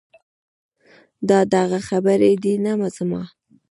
دا د هغه خبرې دي نه زما.